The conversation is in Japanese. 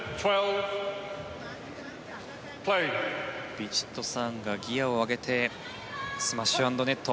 ヴィチットサーンがギアを上げてスマッシュアンドネット。